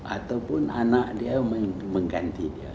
ataupun anak dia mengganti dia